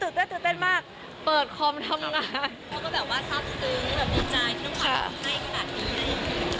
เราก็แบบว่าทรัพย์ก็ตื่นดีใจที่ต้องถ่วงให้ขนาดนี้